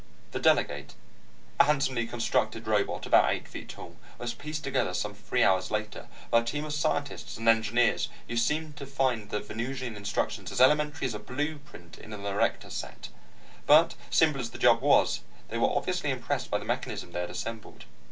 The Delegate, a handsomely constructed robot almost eight feet tall, was pieced together some three hours later, by a team of scientists and engineers who seemed to find the Venusian instructions as elementary as a blueprint in an Erector set. But simple as the job was, they were obviously impressed by the mechanism they had assembled.